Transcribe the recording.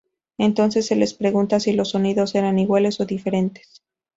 Entonces se les pregunta si los sonidos eran iguales o diferentes.